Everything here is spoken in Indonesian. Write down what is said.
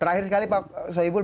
terakhir sekali pak saebul